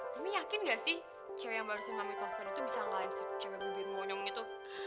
kami yakin gak sih cewe yang barusan mami telpon itu bisa ngelain si cewe bibir monyong itu